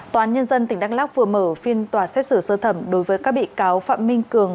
tòa án nhân dân tỉnh đắk lóc vừa mở phiên tòa xét xử sơ thẩm đối với các bị cáo phạm minh cường